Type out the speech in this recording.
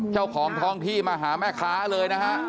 เจ้าของท้องที่มาหาแม่ค้าเลยนะฮะ